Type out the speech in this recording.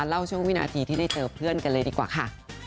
เล่าช่วงวินาทีที่ได้เจอเพื่อนกันเลยดีกว่าค่ะ